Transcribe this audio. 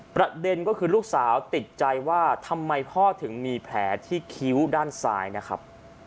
ประเด็นก็คือลูกสาวติดใจว่าทำไมพ่อถึงมีแผลที่คิ้วด้านซ้ายนะครับ